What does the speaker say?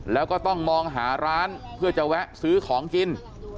แล้วก็ต้องมองหาร้านเพื่อจะแวะซื้อของกิน